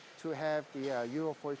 itulah mengapa kami memilih